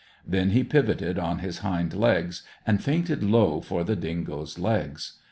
Then he pivoted on his hind legs and feinted low for the dingo's legs.